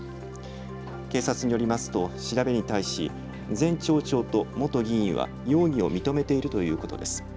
警察によりますと調べに対し前町長と元議員は容疑を認めているということです。